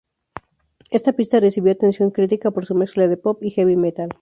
Esta pista recibió atención crítica por su mezcla de pop y heavy metal.